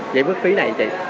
vậy mức phí này thì